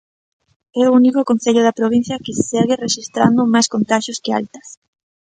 É o único concello da provincia que segue rexistrando máis contaxios que altas.